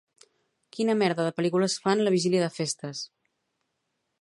Quina merda de pel•lícules fan la vigília de festes!